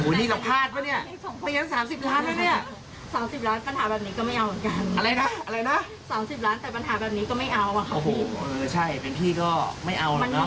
โอ้โหนี่เราพลาดปะเนี้ยแต่งั้นสามสิบล้านแล้วเนี้ยสามสิบล้านปัญหาแบบนี้ก็ไม่เอาเหมือนกัน